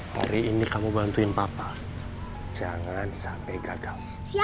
hari ini kamu bantuin papa jangan sampai gagal